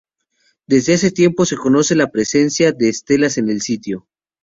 Desde hace tiempo, se conoce la presencia de estelas en el sitio.